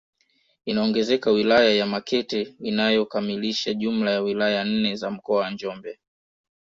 Inaongezeka wilaya ya Makete inayokamilisha jumla ya wilaya nne za mkoa wa Njombe